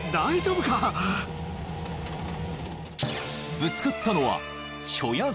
［ぶつかったのは］